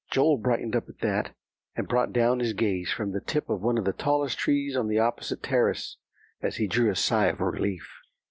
Joel brightened up at that, and brought down his gaze from the tip of one of the tallest trees on the opposite terrace, as he drew a sigh of relief.